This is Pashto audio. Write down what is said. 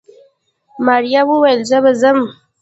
ماريا وويل زه به ځم.